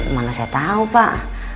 mana saya tahu pak